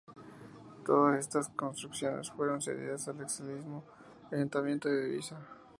Todas estas construcciones fueron cedidas al excelentísimo Ayuntamiento d’Eivissa.